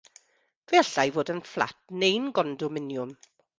Fe allai fod yn fflat neu'n gondominiwm.